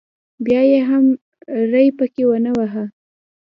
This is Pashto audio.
بیا یې هم ری پکې ونه واهه.